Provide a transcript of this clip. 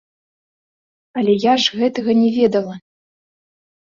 Але я ж гэтага не ведала.